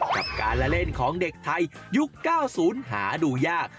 กับการละเล่นของเด็กไทยยุค๙๐หาดูยาก